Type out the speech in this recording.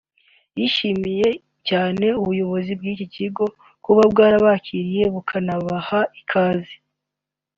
yashimiye cyane ubuyobozi bw’iki kigo kuba barabakiriye bakanabaha ikaze